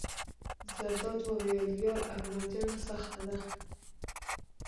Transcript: زرداد وویل: یار اکبر جانه سخته ده.